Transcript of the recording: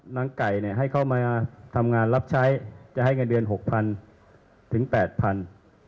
นางไก่ให้เขามาทำงานรับใช้จะให้เงินเดือน๖๐๐๐๘๐๐๐บาท